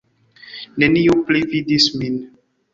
Neniu pli vidis min.